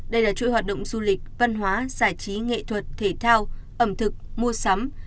đây là chuỗi hoạt động du lịch văn hóa giải trí nghệ thuật thể thao ẩm thực mua sắm